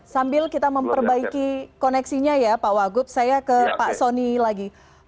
sambil kita memperbaiki koneksinya ya pak wagub saya ke pak soni lagi